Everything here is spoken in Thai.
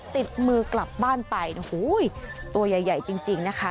ติดมือกลับบ้านไปโอ้โหตัวใหญ่จริงนะคะ